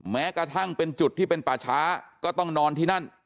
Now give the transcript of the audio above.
แม้กระทั่งเป็นจุดที่เป็นป่าช้าก็ต้องนอนที่นั่น